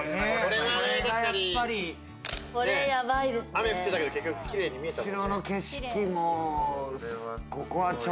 雨降ってたけど、結局きれいに見えたもんね。